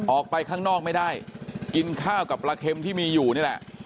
ออกไปข้างนอกไม่ได้กินข้าวกับปลาเค็มที่มีอยู่นี่แหละ